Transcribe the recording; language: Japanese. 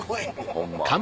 ホンマ。